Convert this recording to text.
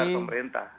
dari dua pemerintah